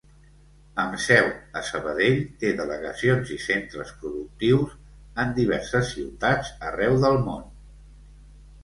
Amb seu a Sabadell, té delegacions i centres productius en diverses ciutats arreu del món.